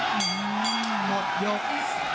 หมดยก